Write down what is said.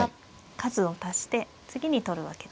数を足して次に取るわけですね。